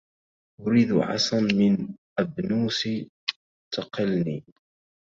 أريد عصا من أبنوس تقلني